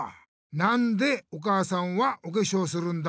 なんでお母さんはおけしょうするんだ？